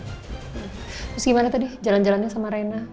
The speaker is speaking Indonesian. terus gimana tadi jalan jalannya sama reina